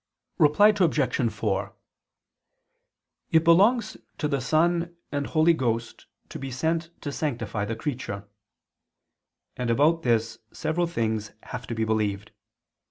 Reply Obj. 4: It belongs to the Son and Holy Ghost to be sent to sanctify the creature; and about this several things have to be believed.